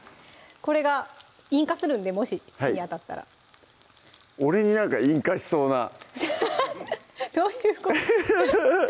これが引火するんでもし火に当たったら俺になんか引火しそうなどういうこと？